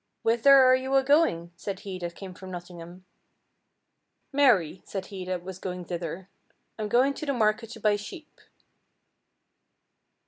"Whither are you a–going?" said he that came from Nottingham. "Marry," said he that was going thither, "I am going to the market to buy sheep."